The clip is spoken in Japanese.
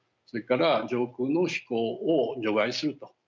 それから上空の飛行を除外すると。